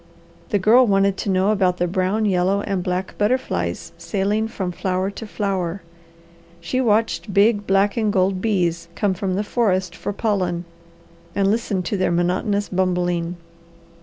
The Girl wanted to know about the brown, yellow, and black butterflies sailing from flower to flower. She watched big black and gold bees come from the forest for pollen and listened to their monotonous bumbling.